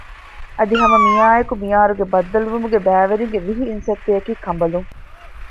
އަދި ހަމަ މިއާއެކު މި އަހަރުގެ ބައްދަލުވުމުގެ ބައިވެރިންގެ ވިހި އިންސައްތައަކީ ކަނބަލުން